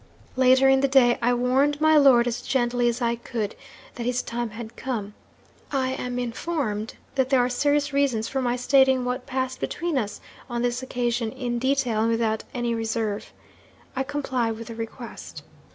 '"Later in the day I warned my lord, as gently as I could, that his time had come. I am informed that there are serious reasons for my stating what passed between us on this occasion, in detail, and without any reserve. I comply with the request.